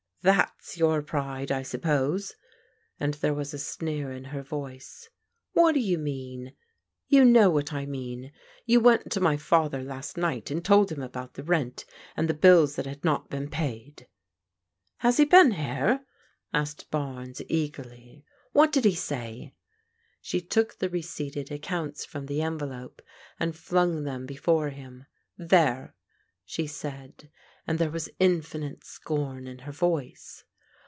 " Thafs your pride, I suppose ?" and there was a sneer in her voice. " What do you mean ?"" You know what I mean. You went to my father last night and told him about the rent ; and the bills that had not been paid." " Has he been here ?" asked Barnes eagerly. " What did he say ?" She took the receipted accounts from the envelope and flung them before him. " There !" she said, and there was infinite scorn in her voice.